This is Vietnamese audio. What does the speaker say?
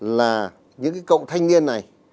là những cái cậu thanh niên này